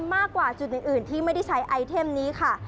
มากกว่าจุดอื่นที่ไม่ได้ใช้ไอเทมนี้ค่ะ